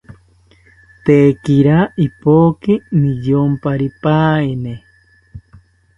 Tekirata ipoki niyomparipaeni